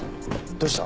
どうした？